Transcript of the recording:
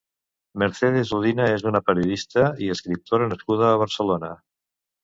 Mercedes Odina és una periodista i escriptora nascuda a Barcelona.